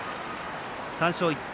３勝１敗。